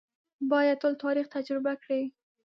باید ټول تاریخ تجربه کړي.